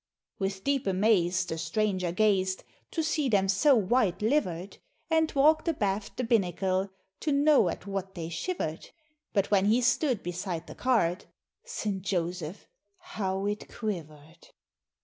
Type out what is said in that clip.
With deep amaze, the Stranger gazed To see them so white livered: And walked abaft the binnacle, To know at what they shivered; But when he stood beside the card, St. Josef! how it quivered!